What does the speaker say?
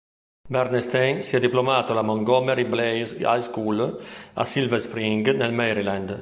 Bernstein si è diplomato alla "Montgomery Blair High School" a Silver Spring, nel Maryland.